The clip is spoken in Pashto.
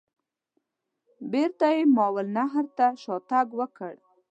بیرته یې ماوراء النهر ته شاته تګ وکړ.